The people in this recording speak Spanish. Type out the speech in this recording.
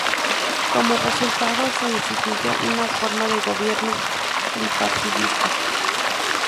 Como resultado se instituyó una forma de gobierno bipartidista.